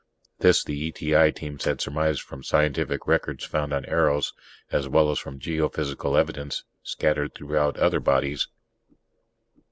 (This the E.T.I. Teams had surmised from scientific records found on Eros, as well as from geophysical evidence scattered throughout the other bodies.)